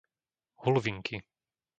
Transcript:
Hulvinky